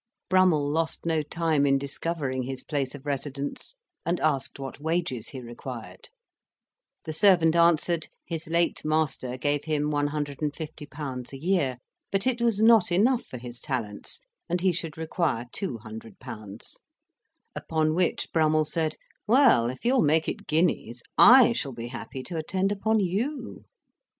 Brummell lost no time in discovering his place of residence, and asked what wages he required; the servant answered, his late master gave him 150£. a year, but it was not enough for his talents, and he should require 200£.; upon which Brummell said, "well, if you will make it guineas, I shall be happy to attend upon you."